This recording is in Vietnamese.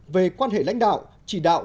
về quan hệ lãnh đạo chỉ đạo